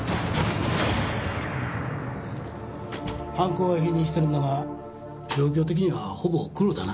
犯行は否認しているんだが状況的にはほぼクロだな。